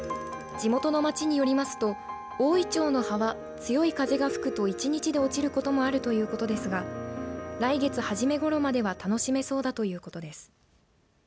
地元の町によりますと大いちょうの葉は強い風が吹くと１日で落ちることもあるということですが来月初めごろまでは楽しめそうだということです。